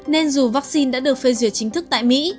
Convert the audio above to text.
nên dù vắc xin đã được phê duyệt chính thức tại mỹ